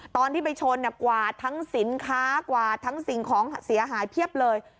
ตอนที่ไปชนกวาดทั้งสินค้ากวาดทั้งสิ่งของเสียหายเพียบเลย